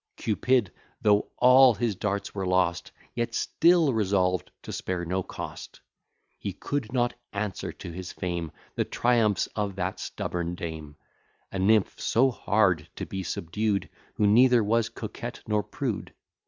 Cupid, though all his darts were lost, Yet still resolved to spare no cost: He could not answer to his fame The triumphs of that stubborn dame, A nymph so hard to be subdued, Who neither was coquette nor prude.